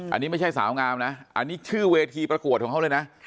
อันนี้ไม่ใช่สาวงามนะอันนี้ชื่อเวทีประกวดของเขาเลยนะ